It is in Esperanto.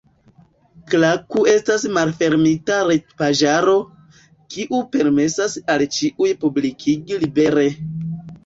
Klaku estas malfermita retpaĝaro, kiu permesas al ĉiuj publikigi libere.